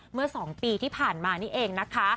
เมื่อ๒ปีที่ผ่านมานี่เองนะคะ